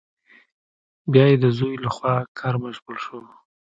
بیا یې د زوی له خوا کار بشپړ شو.